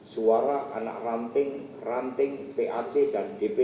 suara anak ranting ranting pac dan dpr